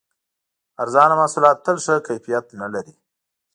ارزانه محصولات تل ښه کیفیت نه لري.